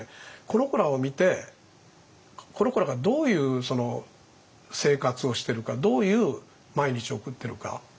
この子らを見てこの子らがどういう生活をしてるかどういう毎日を送ってるか。